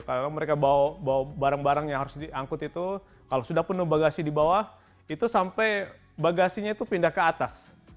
karena mereka bawa barang barang yang harus diangkut itu kalau sudah penuh bagasi di bawah itu sampai bagasinya itu pindah ke atas